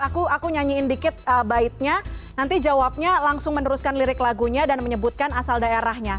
aku aku nyanyiin dikit baitnya nanti jawabnya langsung meneruskan lirik lagunya dan menyebutkan asal daerahnya